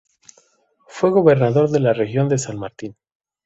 Fue gobernador de la región de San Martín.